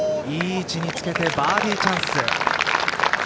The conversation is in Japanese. いい位置につけてバーディーチャンス。